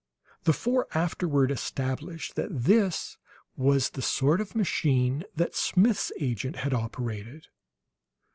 (The four afterward established that this was the sort of a machine that Smith's agent had operated.)